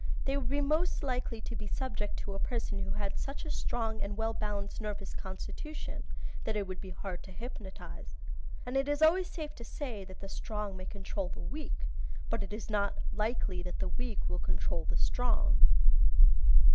They would be most likely to be subject to a person who had such a strong and well balanced nervous constitution that it would be hard to hypnotize. And it is always safe to say that the strong may control the weak, but it is not likely that the weak will control the strong.